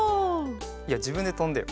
いやじぶんでとんでよ。